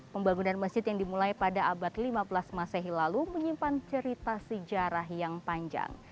pembangunan masjid yang dimulai pada abad lima belas masehi lalu menyimpan cerita sejarah yang panjang